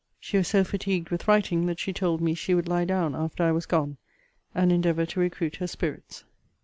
She was so fatigued with writing, that she told me she would lie down after I was gone, and endeavour to recruit her spirits.